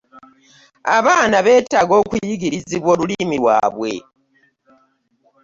Abaana beetaaga okuyigirizibwa olulimi lwabwe.